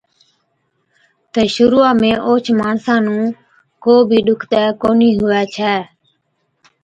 تہ شرُوعا ۾ اوهچ ماڻسا نُون ڪو بِي ڏُکتَي ڪونهِي هُوَي ڇَي۔